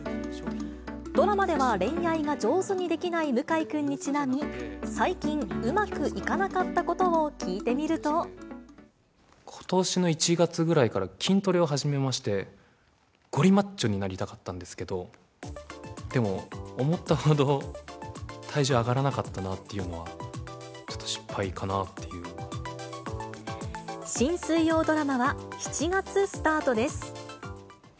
ドラマでは恋愛が上手にできない向井君にちなみ、最近、うまくいことしの１月ぐらいから、筋トレを始めまして、ゴリマッチョになりたかったんですけど、でも、思ったほど体重上がらなかったなっていうのは、ちょっと失敗かな新水曜ドラマは７月スタートです。